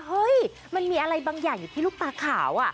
เฮ้ยมันมีอะไรบางอย่างอยู่ที่ลูกตาขาว